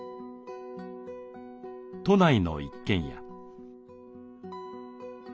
都内の一軒家。